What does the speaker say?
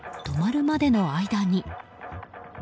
止まるまでの間に。